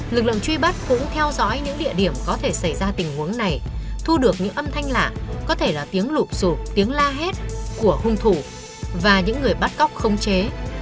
lực lượng truy bắt cũng theo dõi những địa điểm có thể xảy ra tình huống này thu được những âm thanh lạ có thể là tiếng lụp sụp tiếng la hét của hung thủ và những người bắt cóc không chế